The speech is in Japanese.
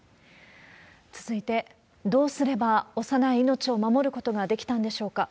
続いて、どうすれば幼い命を守ることができたんでしょうか。